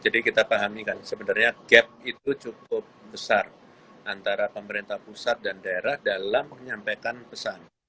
kita pahami kan sebenarnya gap itu cukup besar antara pemerintah pusat dan daerah dalam menyampaikan pesan